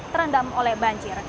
terendam oleh banjir